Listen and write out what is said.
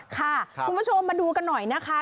คุณผู้ชมมาดูกันหน่อยนะคะ